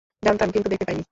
জানতাম, কিন্তু দেখতে পাইনি।